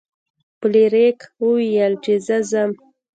فلیریک وویل چې زه ځم.